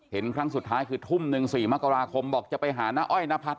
ครั้งสุดท้ายคือทุ่มหนึ่ง๔มกราคมบอกจะไปหาน้าอ้อยนพัฒ